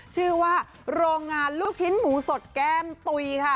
ชื่อว่าโรงงานลูกชิ้นหมูสดแก้มตุ๋ยค่ะ